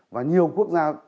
và nhiều quốc gia